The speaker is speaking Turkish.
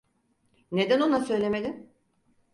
Neden ona söylemedin?